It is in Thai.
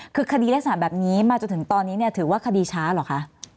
คือคดีแรกษารแบบนี้มาจนถึงตอนนี้ถือว่าคดีช้าหรอคะ